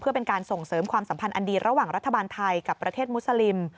เพื่อเป็นการส่งเสริมความสัมพันธ์อันดีระหว่างรัฐบาลไทยกับประเทศมุสลิม